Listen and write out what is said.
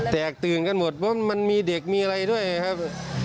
แตกตื่นกันหมดเพราะมันมีเด็กมีอะไรด้วยครับ